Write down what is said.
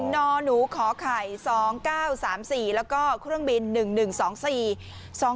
นหนูขอไข่๒๙๓๔แล้วก็เครื่องบิน๑๑๒๔